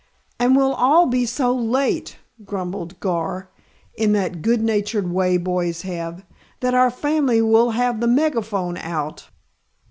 "And we'll all be so late " grumbled Gar, in that good natured way boys have, "that our family will have the megaphone out.